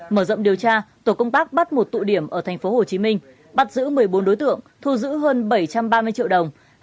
mở rộng điều tra tổ công tác bắt một tụ điểm ở thành phố hồ chí minh bắt giữ một mươi bốn đối tượng thu giữ hơn bảy trăm ba mươi triệu đồng